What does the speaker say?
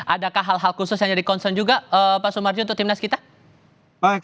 adakah hal hal khusus yang jadi concern juga pak sumarji untuk timnas kita